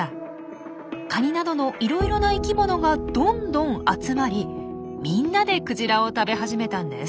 カニなどのいろいろな生きものがどんどん集まりみんなでクジラを食べ始めたんです。